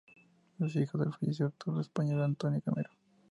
Es hija del fallecido actor español Antonio Gamero